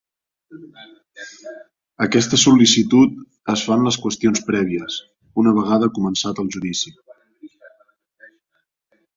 Aquesta sol·licitud es fa en les qüestions prèvies, una vegada començat el judici.